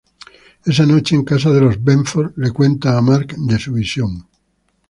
Esa noche, en casa de los Benford, le cuenta a Mark de su visión.